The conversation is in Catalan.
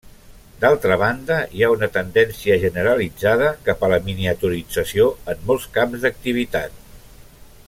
D'altra banda, hi ha una tendència generalitzada cap a la miniaturització en molts camps d'activitat.